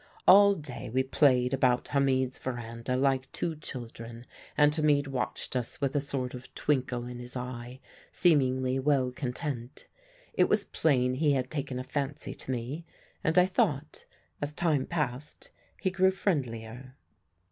All day we played about Hamid's verandah like two children, and Hamid watched us with a sort of twinkle in his eye, seemingly well content. It was plain he had taken a fancy to me, and I thought, as time passed, he grew friendlier.